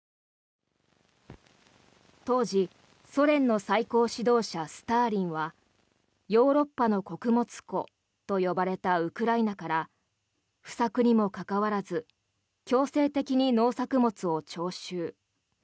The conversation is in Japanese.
当時、ソ連の最高指導者スターリンはヨーロッパの穀物庫と呼ばれたウクライナから不作にもかかわらず強制的に農作物を徴収。